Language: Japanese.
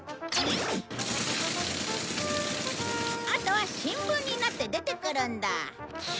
あとは新聞になって出てくるんだ。